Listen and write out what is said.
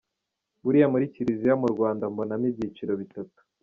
Buriya muri Kiliziya mu Rwanda mbonamo ibyiciro bitatu.